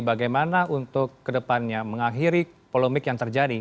bagaimana untuk ke depannya mengakhiri polemik yang terjadi